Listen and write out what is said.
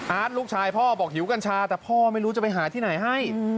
ลูกชายพ่อบอกหิวกัญชาแต่พ่อไม่รู้จะไปหาที่ไหนให้